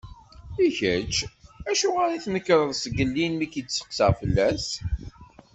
I kečč, acuɣer i tnekreḍ sgellin mi k-id-steqsaɣ fell-as?